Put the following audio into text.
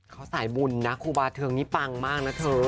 เขาสายบุญนะครูบาเทิงนี่ปังมากนะเธอ